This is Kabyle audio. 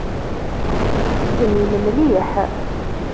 Bnin mliḥ!